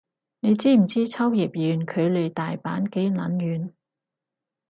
你知唔知秋葉原距離大阪幾撚遠